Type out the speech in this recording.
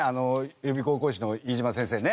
予備校講師の飯島先生ね？